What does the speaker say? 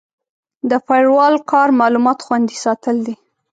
د فایروال کار معلومات خوندي ساتل دي.